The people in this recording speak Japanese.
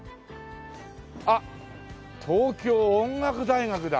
あっ東京音楽大学だ。